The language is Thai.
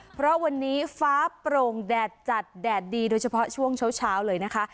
เพราะวันนี้ฟ้าโปร่งแดดจัดแดดดีโดยเฉพาะช่วงเช้าเลยนะคะ